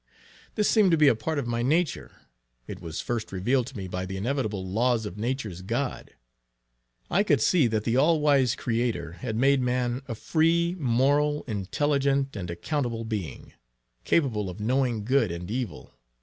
This seemed to be a part of my nature; it was first revealed to me by the inevitable laws of nature's God. I could see that the All wise Creator, had made man a free, moral, intelligent and accountable being; capable of knowing good and evil.